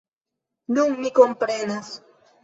Nun mi komprenas!